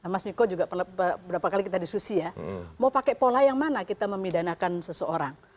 mas miko juga pernah beberapa kali kita diskusi ya mau pakai pola yang mana kita memidanakan seseorang